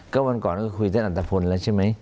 ก็วันก่อนก็คุยท่านอัตภพลแล้วใช่ไหม